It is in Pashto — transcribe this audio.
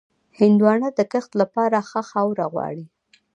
هندوانه د کښت لپاره ښه خاوره غواړي.